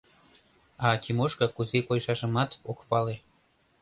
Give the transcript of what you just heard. А Тимошка кузе койшашымат ок пале.